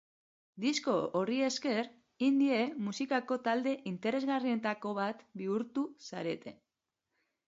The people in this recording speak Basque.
Disko horri esker, indie musikako talde interesgarrienetako bat bihurtu zarete.